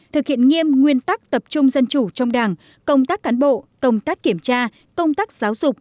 thực hiện nghiêm nguyên tắc tập trung dân chủ trong đảng công tác cán bộ công tác kiểm tra công tác giáo dục